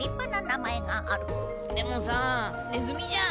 でもさネズミじゃん。